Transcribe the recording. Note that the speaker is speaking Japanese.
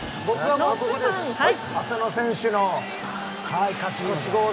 浅野選手の勝ち越しゴール。